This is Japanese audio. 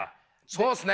そうっすね。